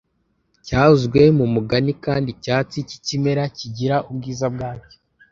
cyavuzwe mu mugani kandi icyatsi kikimera kigira ubwiza bwacyo